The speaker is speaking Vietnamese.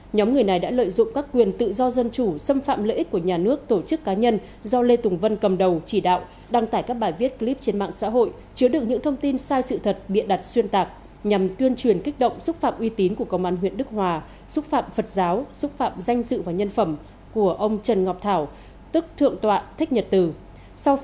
nhóm người này đã lợi dụng các quyền tự do dân chủ xâm phạm lợi ích của nhà nước tổ chức cá nhân do lê tùng vân cầm đầu chỉ đạo đăng tải các bài viết clip trên mạng xã hội chứa được những thông tin sai sự thật biện đặt xuyên tạc nhằm tuyên truyền kích động xúc phạm uy tín của công an huyện đức hòa xúc phạm phật giáo xúc phạm danh dự và nhân phẩm của ông trần ngọc thảo tức thượng tọa thích nhật từ